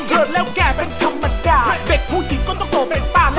เกิดแล้วแก่เป็นธรรมดาถ้าเด็กผู้หญิงก็ต้องโตเป็นป้าแม่